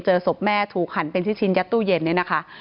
เจอศพแม่ถูกหันเป็นชิ้นยัดตู้เย็นเนี่ยนะคะ